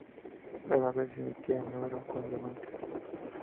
Rara vez se emitían en oro con diamantes.